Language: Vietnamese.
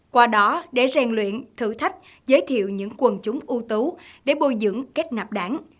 qua đó để rèn luyện thử thách giới thiệu những quần chúng ưu tú để bồi dưỡng kết nạp đảng